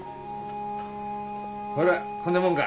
ほらこんなもんが？